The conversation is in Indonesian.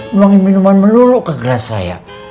luangin minuman menuluk ke gelas saya